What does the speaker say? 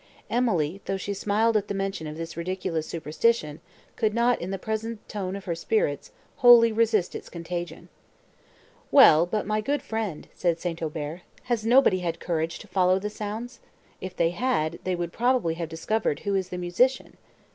Emily, though she smiled at the mention of this ridiculous superstition, could not, in the present tone of her spirits, wholly resist its contagion. "Well, but, my good friend," said St. Aubert, "has nobody had courage to follow the sounds? If they had, they would probably have discovered who is the musician."